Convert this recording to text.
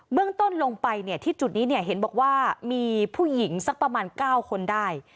เรื่องต้นลงไปที่จุดนี้เห็นบอกว่ามีผู้หญิงสักประมาณ๙คนได้